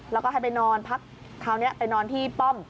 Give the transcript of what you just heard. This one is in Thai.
แล้วก็ให้ไปนอนพักคราวนี้ไปนอนที่ป้อม